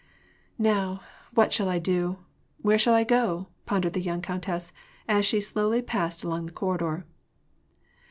" Now, what shall I do ? Where shall I go ?" pondered the young countess, as she slowly passed along the corridor.